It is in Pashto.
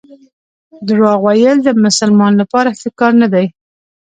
درواغ ویل د مسلمان لپاره ښه کار نه دی.